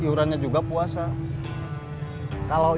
tidak ada yang bisa dibawa